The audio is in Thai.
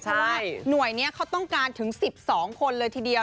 เพราะว่าหน่วยนี้เขาต้องการถึง๑๒คนเลยทีเดียว